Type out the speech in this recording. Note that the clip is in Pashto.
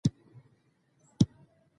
د اکتوبر پر لسمه خاطره روهیال ته ولېږله.